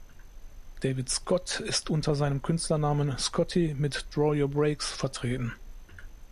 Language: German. David Scott ist unter seinem Künstlernamen Scotty mit "Draw Your Brakes" vertreten.